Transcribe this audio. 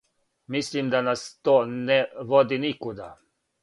Мислим да нас то не води никуда.